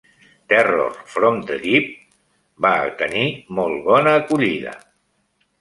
"Terror from the Deep" va tenir molt bona acollida.